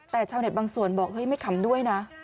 แต่ชาวเน็ตบางส่วนบอกเฮ้ยไม่ขำด้วยนะ